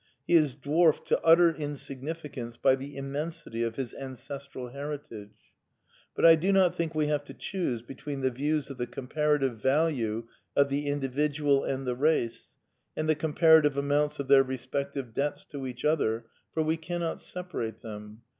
He is dwarfed to utter insignificance by the immensity of his ancestral heritage. But I do not think we have to choose between the views of the comparative value of the Indi vidual and the Bace and the comparative amoimts of . N^ their respective debts to each other, for we cannot separate ^ them.